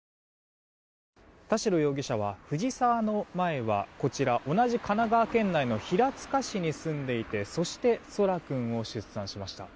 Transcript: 田代容疑者は、藤沢の前はこちら、同じ神奈川県内の平塚市に住んでいてそして空来君を出産しました。